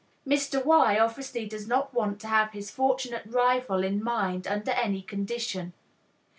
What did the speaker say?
" Mr. Y. obviously does not want to have his fortunate rival in mind under any condition.